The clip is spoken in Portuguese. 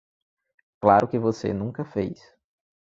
Claro que você nunca fez.